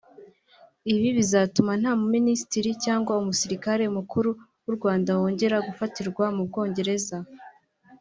Ibi bizatuma nta mu Minisitiri cyangwa umusirikare mukuru w’u Rwanda wongera gufatirwa mu Bwongereza